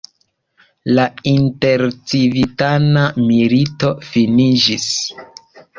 La intercivitana milito finiĝis.